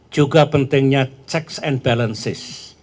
juga pentingnya checks and balances